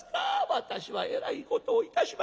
私はえらいことをいたしました。